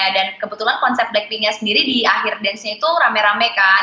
dan kebetulan konsep blackpinknya sendiri di akhir dancenya itu rame rame kan